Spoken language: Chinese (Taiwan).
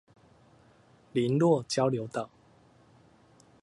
麟洛交流道